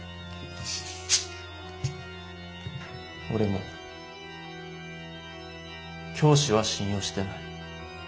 俺も「教師」は信用してない。